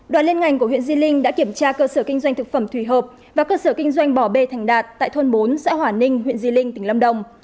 đoàn liên ngành của huyện di linh đã kiểm tra cơ sở kinh doanh thực phẩm thủy hợp và cơ sở kinh doanh bỏ bê thành đạt tại thôn bốn xã hòa ninh huyện di linh tỉnh lâm đồng